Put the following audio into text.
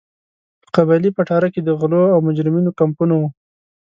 په قبایلي پټاره کې د غلو او مجرمینو کمپونه وو.